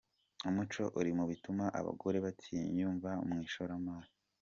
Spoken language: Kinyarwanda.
Umuco uri mu bituma abagore batiyumva mu ishoramari